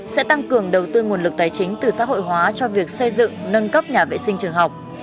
sẽ tăng cường đầu tư nguồn lực tài chính từ xã hội hóa cho việc xây dựng nâng cấp nhà vệ sinh trường học